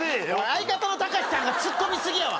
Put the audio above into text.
相方の隆さんがツッコみすぎやわ。